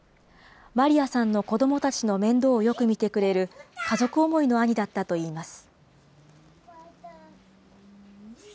マリアさんの子どもたちの面倒をよく見てくれる、家族思いの兄だったといいます。